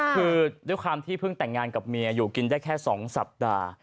คือด้วยความที่เพิ่งแต่งงานกับเมียอยู่กินได้แค่๒สัปดาห์